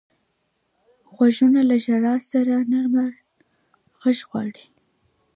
غوږونه له ژړا سره نرمه غږ غواړي